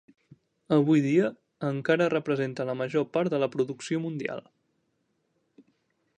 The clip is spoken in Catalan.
Avui dia, encara representa la major part de la producció mundial.